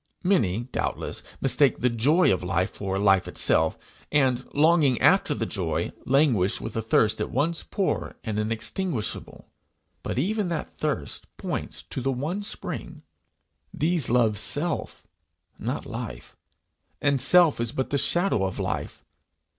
Many doubtless mistake the joy of life for life itself; and, longing after the joy, languish with a thirst at once poor and inextinguishable; but even that thirst points to the one spring. These love self, not life, and self is but the shadow of life.